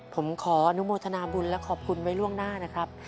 ผมขออนุโมทนาบุญและขอบคุณไว้ล่วงหน้านะครับ